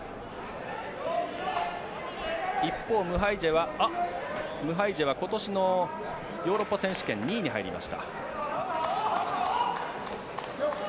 一方、ムハイジェは今年のヨーロッパ選手権で２位に入りました。